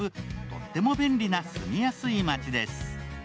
とっても便利な住みやすい街です。